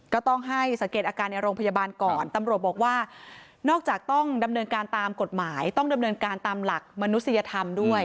ก็ต้องให้สังเกตอาการในโรงพยาบาลก่อนตำรวจบอกว่านอกจากต้องดำเนินการตามกฎหมายต้องดำเนินการตามหลักมนุษยธรรมด้วย